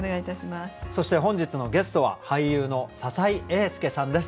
そして本日のゲストは俳優の篠井英介さんです。